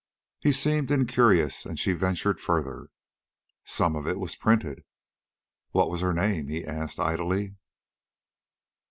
He seemed incurious, and she ventured further. "Some of it was printed." "What was her name?" he asked idly.